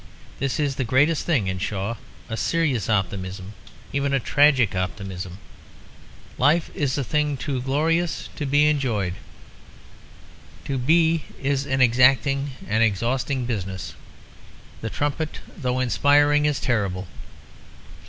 This is the greatest thing in Shaw, a serious optimism even a tragic optimism. Life is a thing too glorious to be enjoyed. To be is an exacting and exhausting business; the trumpet though inspiring is terrible.